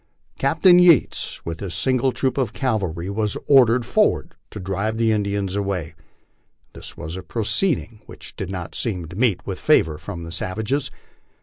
Captain Yates, with his single troop of cavalry, was ordered forward to drive the Indians away. This was a proceeding which did not seem to meet with favor from the savages.